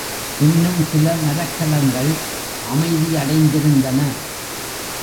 இன்னும் சில மரக்கலங்கள் அமைதியடைந்திருந்தன.